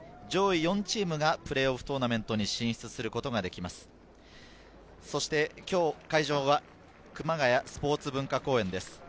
上位４チームがプレーオフトーナメントに進出することができます。